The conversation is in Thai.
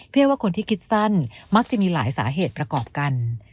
เพื่อว่าคนที่คิดสั้นมักจะมีหลายสาเหตุประกอบกัน